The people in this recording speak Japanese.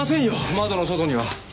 窓の外には。